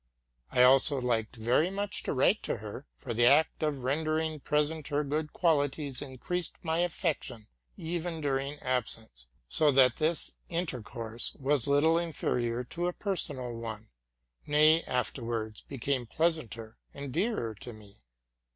I also liked very much to write to her, for the act of rendering present her good qualities increased my affection even during absence ; so that this intercourse was little inferior to a per sonal one, —nay, afterwards became pleasanter and dearer to me.